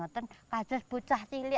itu kejadian bucah ini